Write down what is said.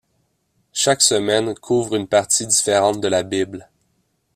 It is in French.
Chaque semaine, couvre une partie différente de la Bible.